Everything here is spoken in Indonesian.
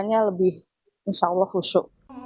makanya lebih insya allah husu